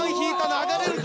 流れるぞ！